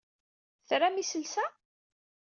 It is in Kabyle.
Tram iselsa?